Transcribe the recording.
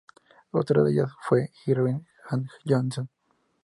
Otra de ellas fue Irving and Johnson.